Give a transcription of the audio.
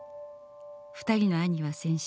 ２人の兄は戦死。